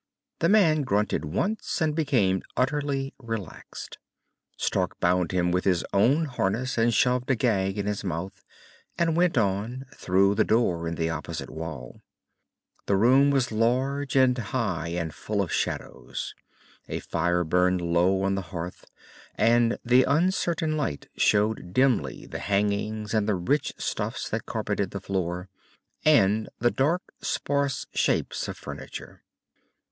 The man grunted once and became utterly relaxed. Stark bound him with his own harness and shoved a gag in his mouth, and went on, through the door in the opposite wall. The room beyond was large and high and full of shadows. A fire burned low on the hearth, and the uncertain light showed dimly the hangings and the rich stuffs that carpeted the floor, and the dark, sparse shapes of furniture.